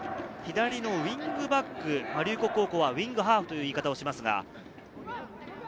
左のウイングバック、龍谷高校はウイングハーフという言い方をします。